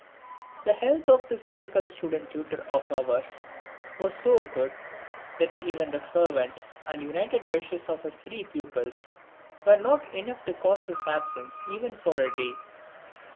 The health of this medical student tutor of ours was so good that even the fervent and united wishes of his three pupils were not enough to cause his absence even for a day.